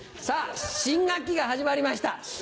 さぁ新学期が始まりました。